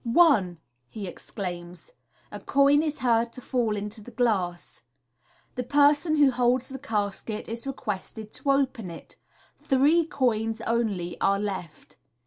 " One !" he exclaims. A coin is heard to fall into the glass. The person who holds the casket is requested to open itj three coins only are left.